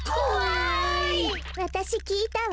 わたしきいたわ。